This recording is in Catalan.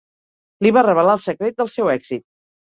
Li va revelar el secret del seu èxit.